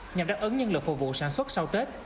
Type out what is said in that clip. nhằm đáp ứng nhân lực phục vụ sản xuất sau tết